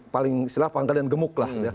paling silap paling gemuk lah